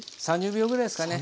３０秒ぐらいですかね。